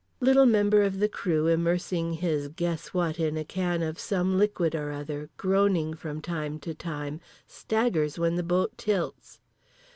Little member of the crew immersing his guess what in a can of some liquid or other, groaning from time to time, staggers when the boat tilts.